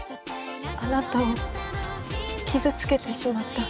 あなたを傷つけてしまった。